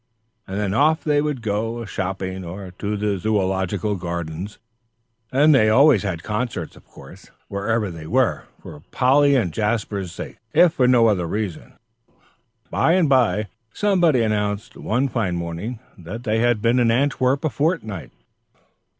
And then off they would go a shopping, or to the Zoological Gardens; and they always had concerts, of course, wherever they were, for Polly and Jasper's sakes, if for no other reason. And by and by somebody announced, one fine morning, that they had been in Antwerp a fortnight.